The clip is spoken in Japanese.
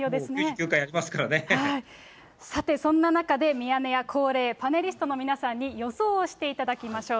さて、そんな中で、ミヤネ屋恒例、パネリストの皆さんに予想をしていただきましょう。